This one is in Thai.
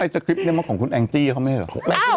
สคริปต์นี่มันของคุณแอนกตี้เขาไม่ใช่เหรอ